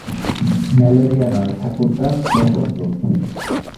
Malaria নয়, ঠাকুরদা, বসন্ত!